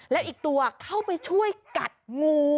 แล้วอีกตัวเข้าไปช่วยกัดงู